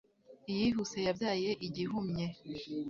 iyihuse yabyaye igihumye